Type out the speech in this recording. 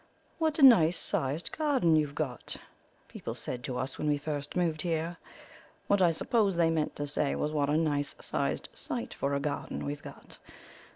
'What a nice sized garden you've got,' people said to us when we first moved here. What I suppose they meant to say was what a nice sized site for a garden we'd got.